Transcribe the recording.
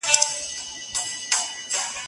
د دې وطن د شمله ورو قدر څه پیژني